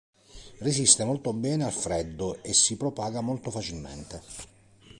Resiste molto bene al freddo e si propaga molto facilmente.